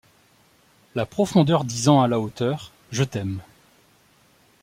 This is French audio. La profondeur disant à la hauteur: Je t’aime!